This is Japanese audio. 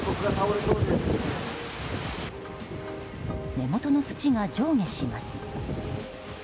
根元の土が上下します。